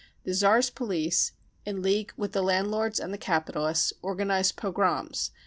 The Tsar's police, in league with the landlords and the capitalists, organised pogroms.